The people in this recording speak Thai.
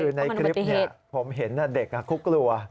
คือในคลิปเนี่ยผมเห็นเด็กคุกกลัว